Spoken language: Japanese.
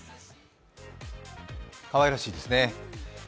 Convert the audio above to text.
かわいらしいですね。